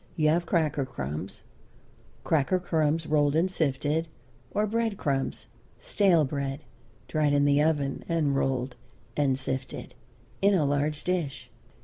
You have cracker crumbs cracker crumbs rolled and sifted or bread crumbs, stale bread, dried in the oven and rolled and sifted, in a large dish.